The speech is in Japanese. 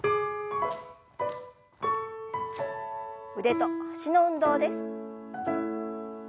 腕と脚の運動です。